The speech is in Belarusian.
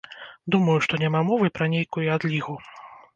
Думаю, што няма мовы пра нейкую адлігу.